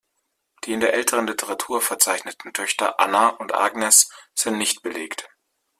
Die in der älteren Literatur verzeichneten Töchter Anna und Agnes sind nicht belegt.